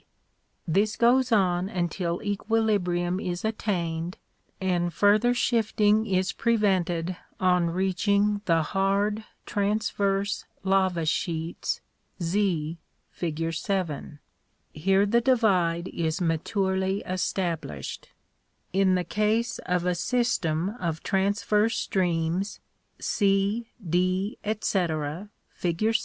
This goes on until equilibrium is attained and further shifting is prevented on reaching the hard transverse lava sheets, Z, fig. 7; here the divide is maturely Sune pe ee SS Ee Ty? = EE LLAE_" | established. In the case of a system of transverse streams, C, D, etc., fig.